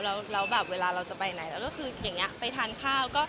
แล้วแบบเวลาเราจะไปไหนแล้วก็คืออย่างนี้ไปทานข้าว